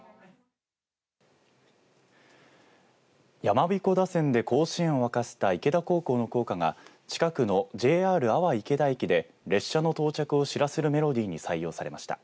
やまびこ打線で甲子園を沸かせた池田高校の校歌が近くのＪＲ阿波池田駅で列車の到着を知らせるメロディーに採用されました。